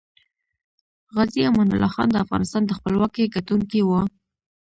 غازي امان الله خان دافغانستان دخپلواکۍ ګټونکی وه